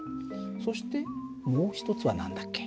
そしてもう一つは何だっけ？